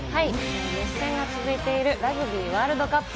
熱戦が続いているラグビーワールドカップ。